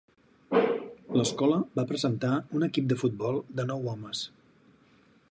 L'escola va presentar un equip de futbol de nou homes.